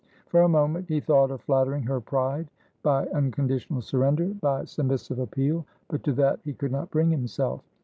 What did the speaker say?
For a moment he thought of flattering her pride by unconditional surrender, by submissive appeal, but to that he could not bring himself.